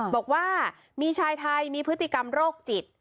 บอกว่ามีชายไทยมีพฤติกรรมโรคจิต